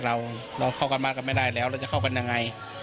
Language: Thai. เราเข้ากันมาก็ไม่ได้แล้วเราจะเข้ากันยังไง